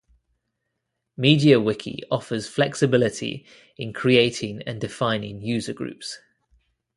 MediaWiki offers flexibility in creating and defining user groups.